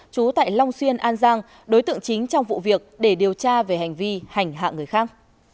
trú tại long xuyên an giang đối tượng chính trong vụ việc để điều tra về hành vi hành hạ người khác